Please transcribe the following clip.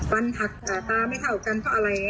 ฟันหักแต่ตาไม่เท่ากันเพราะอะไร